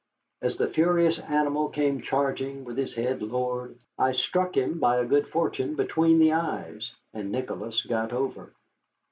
As the furious animal came charging, with his head lowered, I struck him by a good fortune between the eyes, and Nicholas got over.